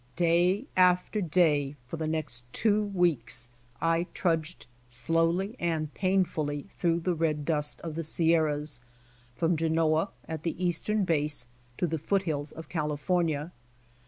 Day after day for the next two weeks I trudged slowly and painfully through the red dust of the Sierras, from Genoa, at the eastern base, to the foothills of California.